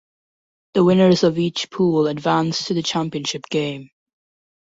The winners of each pool advanced to the championship game.